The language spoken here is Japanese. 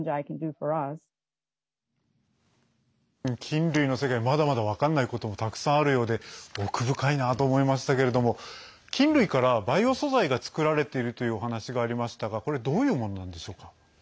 菌類の世界まだまだ、分かんないこともたくさんあるようで奥深いなと思いましたけれども菌類からバイオ素材が作られているというお話がありましたがこれはどういうものなんでしょうか。